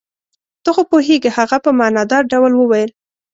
ته خو پوهېږې. هغه په معنی دار ډول وویل.